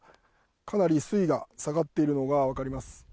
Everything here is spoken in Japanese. かなり水位が下がっているのが分かります。